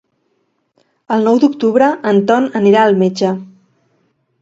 El nou d'octubre en Ton anirà al metge.